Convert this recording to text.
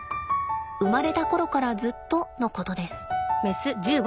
生まれた頃からずっとのことです。